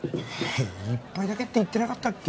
１杯だけって言ってなかったっけ？